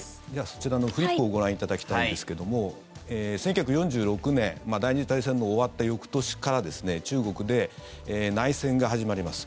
そちらのフリップをご覧いただきたいんですけども１９４６年第２次大戦の終わった翌年から中国で内戦が始まります。